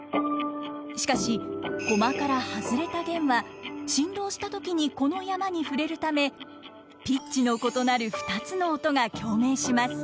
しかし駒から外れた絃は振動したときにこの山に触れるためピッチの異なる２つの音が共鳴します。